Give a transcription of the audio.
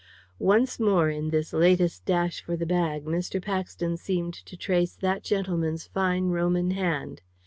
Once more in this latest dash for the bag Mr. Paxton seemed to trace that gentleman's fine Roman hand.